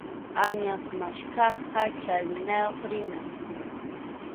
Añas maskaqqa chalinayuqmi rina.